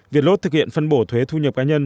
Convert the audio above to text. việt lốt thực hiện phân bổ thuế thu nhập cá nhân